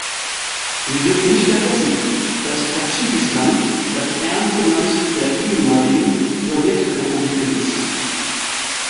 Wir dürfen nicht vergessen, dass Tadschikistan das ärmste Land der ehemaligen Sowjetrepubliken ist.